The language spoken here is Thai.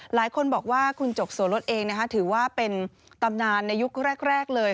หลายคนบอกว่าคุณจกโสรสเองถือว่าเป็นตำนานในยุคแรกเลย